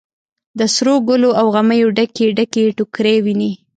د سروګلو او غمیو ډکې، ډکې ټوکرۍ ویني